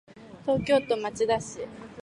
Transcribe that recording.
東京都町田市